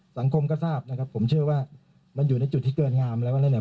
สังคมก็ทราบนะครับผมเชื่อว่ามันอยู่ในจุดที่เกินงามแล้วแล้วเนี่ย